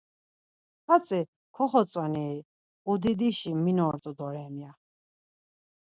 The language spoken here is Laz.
Hatzi koxotzonii, udidişi min ort̆u doren ya.